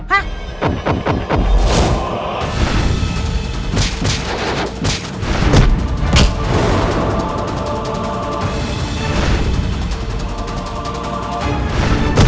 kasih masih ada